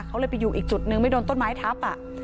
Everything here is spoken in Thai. เขาเลยไปอยู่อีกจุดนึงไม่โดนต้นไม้ทับ